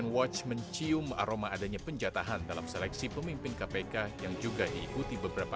watch mencium aroma adanya penjatahan dalam seleksi pemimpin kpk yang juga diikuti beberapa